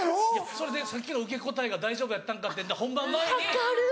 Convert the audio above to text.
それでさっきの受け答えが大丈夫やったんかって本番前に。